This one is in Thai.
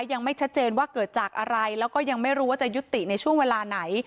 ยังไม่ชัดเจนว่าเกิดจากอะไรแล้วก็ยังไม่รู้ว่าจะยุติในช่วงเวลาไหน